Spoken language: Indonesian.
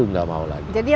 tidak mau lagi